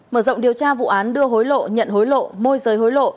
mở rộng điều tra vụ án đưa hối lộ nhận hối lộ